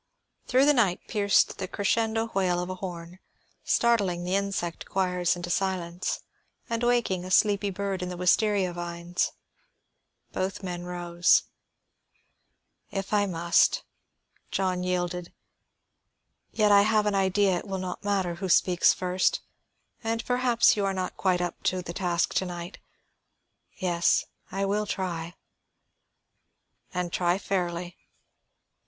Through the night air pierced the crescendo wail of a horn, startling the insect choirs into silence and waking a sleepy bird in the wistaria vines. Both men rose. "If I must," John yielded. "Yet I have an idea it will not matter who speaks first, and perhaps you are not quite up to the task to night. Yes, I will try." "And try fairly.